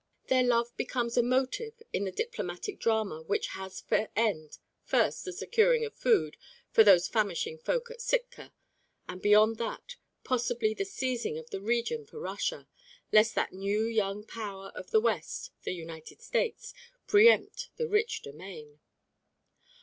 Their love becomes a motive in the diplomatic drama which has for end, first, the securing of food for those famishing folk at Sitka, and beyond that, possibly the seizing of the region for Russia, lest that new young power of the West, the United States, preempt the rich domain.